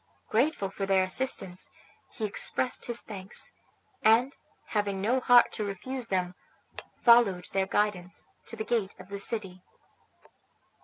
Grateful for their assistance, he expressed his thanks, and, having no heart to refuse them, followed their guidance to the gate of the city.